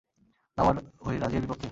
তাও আবার ওই রাজিয়ার বিপক্ষে?